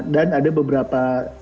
dan ada beberapa